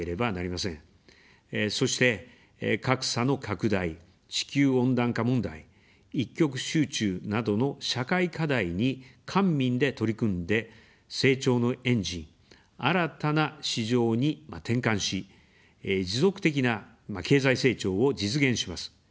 そして、格差の拡大、地球温暖化問題、一極集中などの社会課題に官民で取り組んで、成長のエンジン、新たな市場に転換し、持続的な経済成長を実現します。